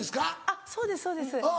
あっそうですそうです。